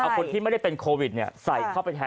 คนที่ไม่ได้เป็นโควิดใส่เข้าไปแทน